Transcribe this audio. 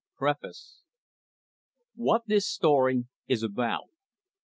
PREFACE. WHAT THIS STORY IS ABOUT.